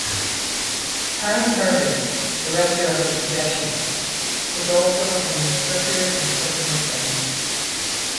Harry Hurwitz, director of "The Projectionist" was also an instructor and personal friend.